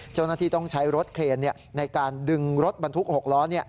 เจ้าหน้าที่ต้องใช้รถเครนในการดึงรถบรรทุก๖ล้อ